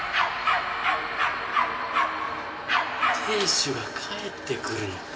亭主が帰ってくるのか？